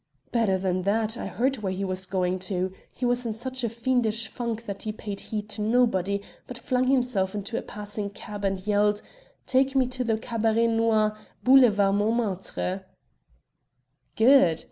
"Better than that, I heard where he was going to. He was in such a fiendish funk that he paid heed to nobody, but flung himself into a passing cab and yelled, 'Take me to the Cabaret Noir, Boulevard Montmartre.'" "Good.